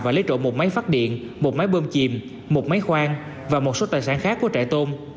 và lấy trộm một máy phát điện một máy bơm chìm một máy khoang và một số tài sản khác của trại tôm